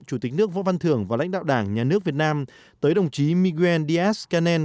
chủ tịch nước võ văn thưởng và lãnh đạo đảng nhà nước việt nam tới đồng chí miguel díaz canel